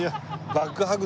バックハグ。